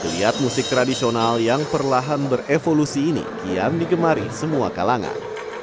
geliat musik tradisional yang perlahan berevolusi ini kian digemari semua kalangan